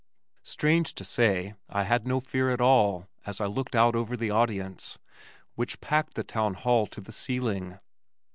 Strange to say I had no fear at all as I looked out over the audience which packed the town hall to the ceiling.